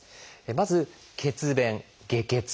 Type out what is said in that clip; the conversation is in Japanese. まず「血便・下血」。